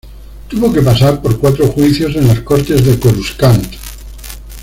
Tuvo que pasar por cuatro juicios en las cortes de Coruscant.